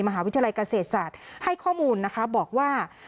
มหาวิทยาลัยเกษตรศาสตร์ให้ข้อมูลนะคะบอกว่า